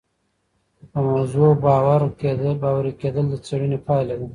په موضوع باوري کيدل د څېړني پایله ده.